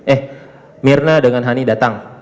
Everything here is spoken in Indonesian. eh mirna dengan hani datang